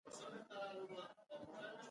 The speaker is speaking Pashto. دا سپارښت خط پر مولوي اختر محمد صاحب باندې وو.